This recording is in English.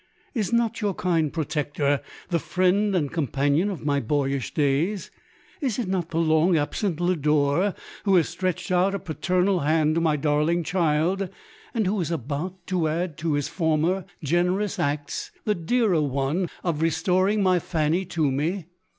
Is not your kind protector, the friend and com panion of my boyish days ? Is it not the long absent Lodore, who has stretched out a pater nal hand to my darling child, and who is about 23:2 LODORE. to add to his former generous acts, the dearer one of restoring my Fanny tome?